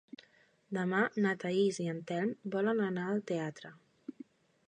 Demà na Thaís i en Telm volen anar al teatre.